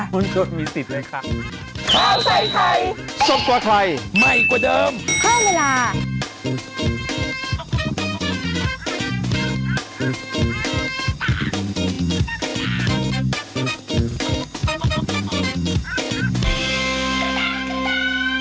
มันก็มีสิทธิ์เลยค่ะ